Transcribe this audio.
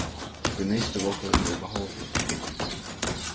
Ich bin nächste Woche in Oberhausen